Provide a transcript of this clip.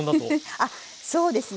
あっそうですね